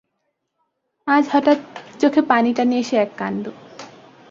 আজ হঠাৎ চোখে পানিটানি এসে এক কাণ্ড।